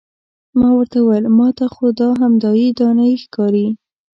ما ورته وویل ما ته خو همدایې دانایي ښکاري.